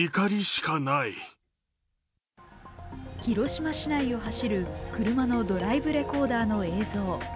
広島市内を走る車のドライブレコーダーの映像。